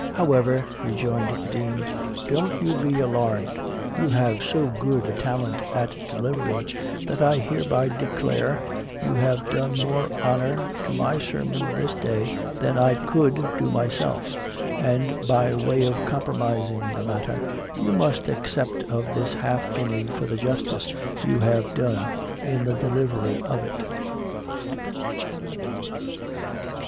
"However," rejoined the Dean, "don't you be alarmed; you have so good a talent at delivery, that I hereby declare, you have done more honor to my sermon this day, than I could do myself; and by way of compromising the matter, you must accept of this half guinea for the justice you have done in the delivery of it."